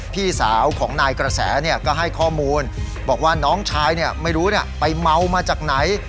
พี่สาวของนายกระแสก็ให้ข้อมูลบอกว่าน้องชายไม่รู้ไปเมามาจากไหน